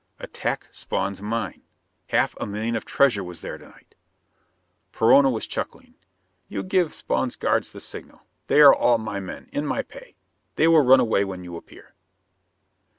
Attack Spawn's mine! Half a million of treasure was there to night! Perona was chuckling: "You give Spawn's guards the signal. They are all my men in my pay. They will run away when you appear."